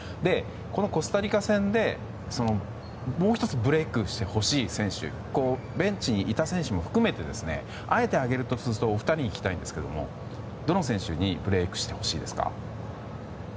このコスタリカ戦でもう１つブレークしてほしい選手ベンチにいた選手も含めてあえて挙げるとするとどの選手にブレークしてほしいですか。